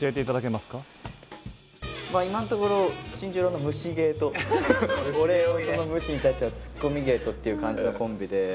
まあ今んところ新十郎の無視芸と俺その無視に対してはツッコミ芸とっていう感じのコンビで。